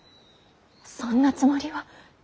そんなつもりは。